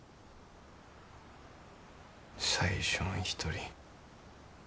最初ん一人。